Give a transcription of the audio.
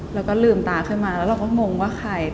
แล้วก็ลืมตาขึ้นมาแล้วเราก็งงว่าใคร